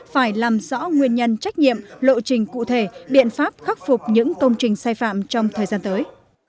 phải làm rõ nguyên nhân trách nhiệm lộ trình cụ thể biện pháp khắc phục những công trình sai phạm trong thời gian tới